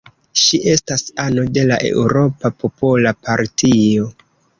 Ŝi estas ano de la Eŭropa Popola Partio.